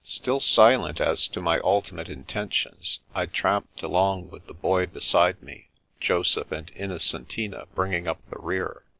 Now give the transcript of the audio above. Still silent as to my ultimate intentions, I tramped along with the Boy beside me, Joseph and Innocentina bringing up the rear.